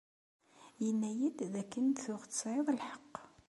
Inna-yid dakken tuɣ tesɛiḍ lḥeq.